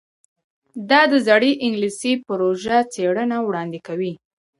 دا د زړې انګلیسي ژوره څیړنه وړاندې کوي.